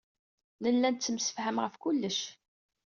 Nella nettemsefham ɣef kullec.